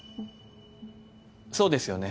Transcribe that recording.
そうですよね？